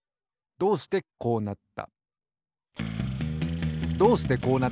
どうしてこうなった？